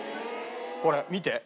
これ見て。